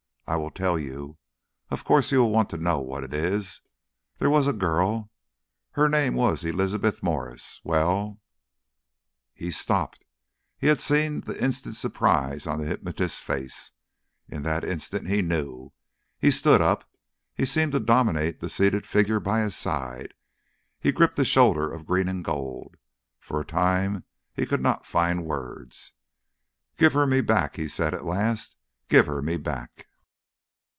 "I will tell you. Of course you will want to know what it is. There was a girl. Her name was Elizabeth Mwres. Well ..." He stopped. He had seen the instant surprise on the hypnotist's face. In that instant he knew. He stood up. He seemed to dominate the seated figure by his side. He gripped the shoulder of green and gold. For a time he could not find words. "Give her me back!" he said at last. "Give her me back!"